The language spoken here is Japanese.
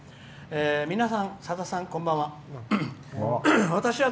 「皆さん、さださん、こんばんは。